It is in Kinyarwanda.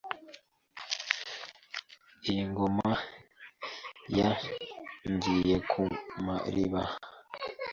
Iyi ngoma ya Ngiyekumariba